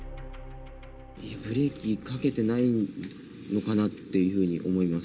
ブレーキかけてないのかなっていうふうに思います。